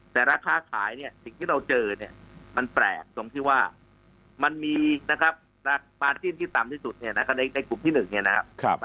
แต่ราคาขายเนี่ยสิ่งที่เราเจอเนี่ยมันแปลกตรงที่ว่ามันมีนะครับราคาปาจินที่ต่ำที่สุดเนี่ยนะครับในกลุ่มที่๑เนี่ยนะครับ